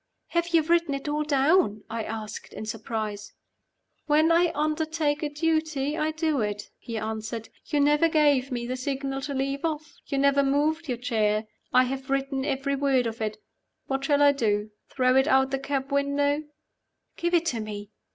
"Have you written it all down?" I asked, in surprise. "When I undertake a duty, I do it," he answered. "You never gave me the signal to leave off you never moved your chair. I have written every word of it. What shall I do? Throw it out of the cab window?" "Give it to me."